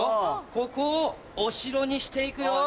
ここをお城にしていくよ。